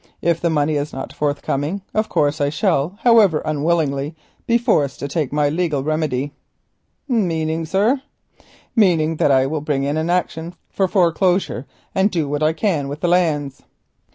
If the money is not forthcoming, of course I shall, however unwillingly, be forced to take my legal remedy." "Meaning, sir——" "Meaning that I shall bring an action for foreclosure and do what I can with the lands."